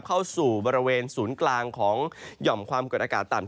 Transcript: เข้าสู่บริเวณศูนย์กลางของหย่อมความกดอากาศต่ำ